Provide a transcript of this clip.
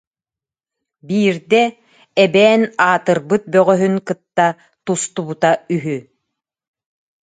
Биирдэ эбээн аатырбыт бөҕөһүн кытта тустубута үһү